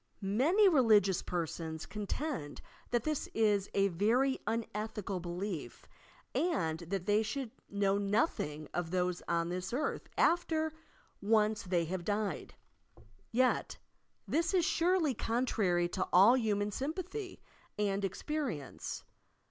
Many religious persons contend that this i a very unethical belief and that they should know noth ing of those on this earth after ouce they have died. Yet, this is surely contrarj to all human sympathy and experience.